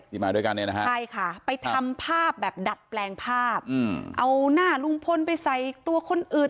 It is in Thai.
มาด้วยกันเนี่ยนะฮะใช่ค่ะไปทำภาพแบบดัดแปลงภาพเอาหน้าลุงพลไปใส่ตัวคนอื่น